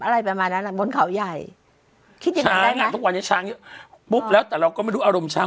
อะไรประมาณนั้นอ่ะบนเขาใหญ่ทุกวันนี้ช้างปุ๊บแล้วแต่เราก็ไม่รู้อารมณ์ช้าง